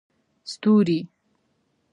ستوري